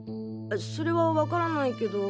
それはわからないけど。